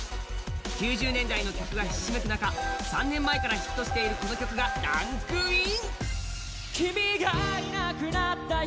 ９０年代の曲がひしめく中、３年前からヒットしているこの曲がランクイン。